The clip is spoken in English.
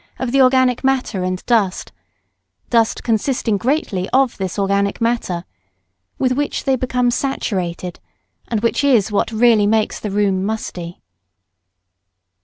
of the organic matter and dust dust consisting greatly of this organic matter with which they become saturated, and which is what really makes the room musty.